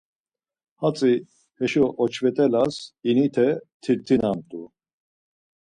Hatzi heşo oç̌vet̆elas inite tirtinamt̆u.